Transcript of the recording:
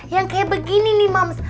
yang kayak begini nih mams